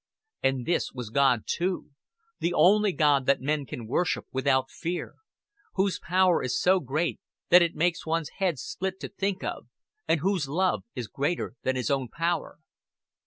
And this was God too the only God that men can worship without fear; Whose power is so great that it makes one's head split to think of, and Whose love is greater than His power.